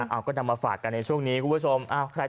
เอาก็นำมาฝากกันในช่วงนี้คุณผู้ชม